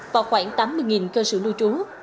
và khoảng tám mươi cơ sở lưu trú